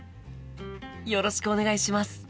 よろしくお願いします。